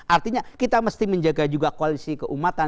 artinya kita mesti menjaga juga koalisi keumatan